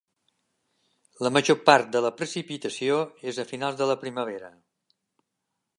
La major part de la precipitació és a finals de la primavera.